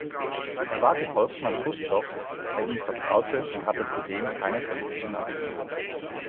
Er war Gefolgsmann Chruschtschows, der ihm vertraute und hatte zudem keine politischen Ambitionen.